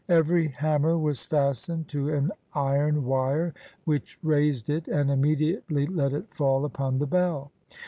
Every hammer was fastened to an iron wire which raised it and immediately let it fall upon the bell.